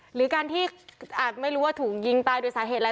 หรือการที่อาจไม่รู้ว่าถูกยิงตายโดยสาเหตุอะไร